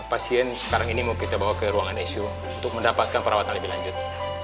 pasien sekarang ini mau kita bawa ke ruangan icu untuk mendapatkan perawatan lebih lanjut